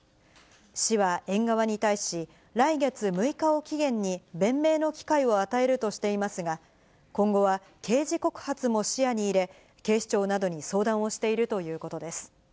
市は園側に対し、来月６日を期限に弁明の機会を与えるとしていますが、今後は刑事告発も視野に入れ、警視庁などに相談をしているということです。